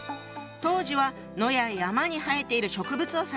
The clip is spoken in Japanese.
当時は野や山に生えている植物を指していたの。